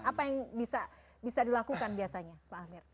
apa yang bisa dilakukan biasanya pak amir